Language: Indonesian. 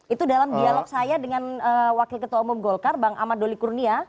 itu dalam dialog saya dengan wakil ketua umum golkar bang ahmad doli kurnia